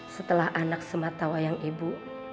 setelah anak sematawayang ibu